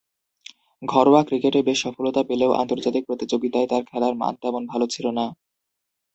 ঘরোয়া ক্রিকেটে বেশ সফলতা পেলেও আন্তর্জাতিক প্রতিযোগিতায় তাঁর খেলার মান তেমন ভালো ছিল না।